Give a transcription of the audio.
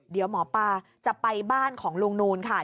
เดี๋ยวหมอปลาจะไปบ้านของลุงนูนค่ะ